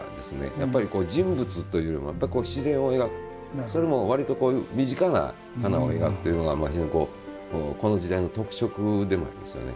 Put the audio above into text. やっぱり人物というよりもやっぱり自然を描くそれも割とこういう身近な花を描くというのが非常にこの時代の特色でもありますよね。